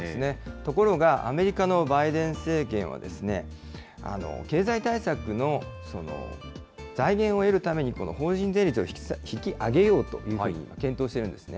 ところが、アメリカのバイデン政権は、経済対策の財源を得るために、この法人税率を引き上げようというふうに今、検討してるんですね。